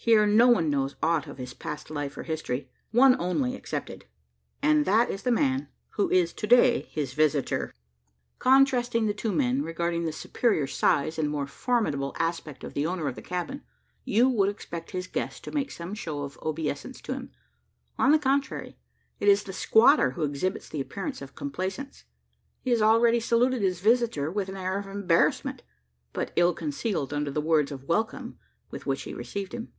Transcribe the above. Here no one knows aught of his past life or history one only excepted and that is the man who is to day his visitor. Contrasting the two men regarding the superior size and more formidable aspect of the owner of the cabin, you would expect his guest to make some show of obeisance to him. On the contrary, it is the squatter who exhibits the appearance of complaisance. He has already saluted his visitor with an air of embarrassment, but ill concealed under the words of welcome with which he received him.